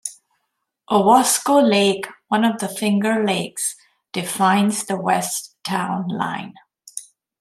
Owasco Lake, one of the Finger Lakes, defines the west town line.